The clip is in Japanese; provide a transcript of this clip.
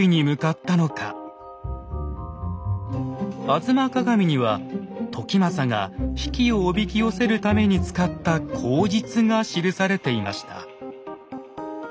「吾妻鏡」には時政が比企をおびき寄せるために使った口実が記されていました。